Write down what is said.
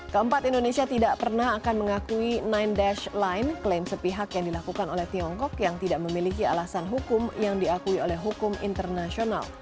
keempat indonesia tidak pernah akan mengakui sembilan line klaim sepihak yang dilakukan oleh tiongkok yang tidak memiliki alasan hukum yang diakui oleh hukum internasional